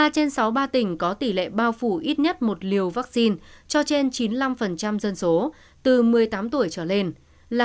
một mươi trên sáu mươi ba tỉnh có tỷ lệ bao phủ ít nhất một liều vaccine cho trên chín mươi năm dân số từ một mươi tám tuổi trở lên